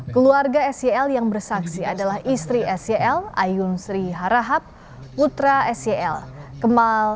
keluarga sel yang bersaksi adalah istri sel ayun sri harahap putra sel kemal